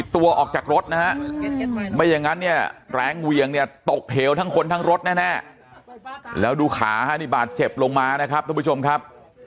ทั้งรถแน่แล้วดูขานี่บาดเจ็บลงมานะครับทุกผู้ชมครับ